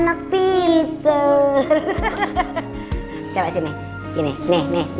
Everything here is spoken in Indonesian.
gak apa apa aku pelan pelan